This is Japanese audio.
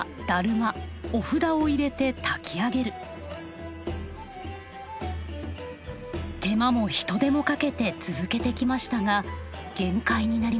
手間も人手もかけて続けてきましたが限界になりました。